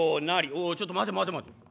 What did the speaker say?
「おおちょっと待て待て待て！